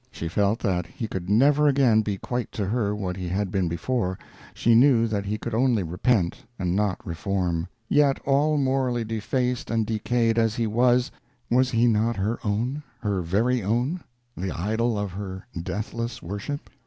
She felt that he could never again be quite to her what he had been before; she knew that he could only repent, and not reform; yet all morally defaced and decayed as he was, was he not her own, her very own, the idol of her deathless worship?